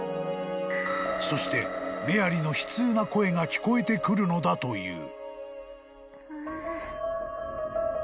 ［そしてメアリの悲痛な声が聞こえてくるのだという］